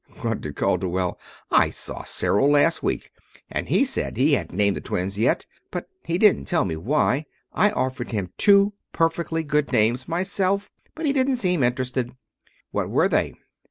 "Humph!" grunted Calderwell. "I saw Cyril last week, and he said he hadn't named the twins yet, but he didn't tell me why. I offered him two perfectly good names myself, but he didn't seem interested." "What were they?"